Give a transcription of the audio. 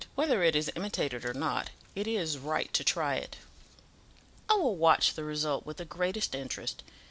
"Whether it is imitated or not, it is right to try it. I will watch the result with the greatest interest.